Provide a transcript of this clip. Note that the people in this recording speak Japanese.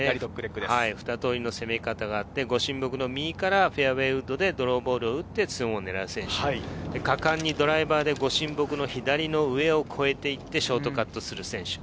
二通りの攻め方があって、御神木の右からフェアウエーウッドでドローボールを打って２オンを狙う選手、果敢にドライバーで御神木の左を上を越えてショートカットする選手。